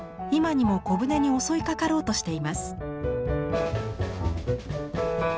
今にも小舟に襲いかかろうとしています。